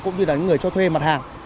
cũng như là người cho thuê mặt hàng